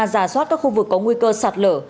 giả soát các khu vực có nguy cơ sạt lở